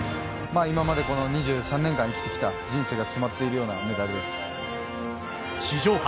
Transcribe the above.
今までこの２３年間生きてきた、人生が詰まっているようなメ史上初！